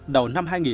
đầu năm hai nghìn